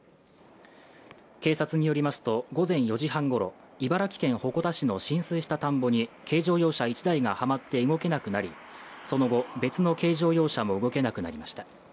警察によりますと、午前４時半ごろ、茨城県鉾田市の浸水した田んぼに軽乗用車１台がはまって動けなくなり、その後、別の軽乗用車も動けなくなりました。